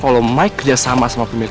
nunggu kayak kaya ada teman teman lu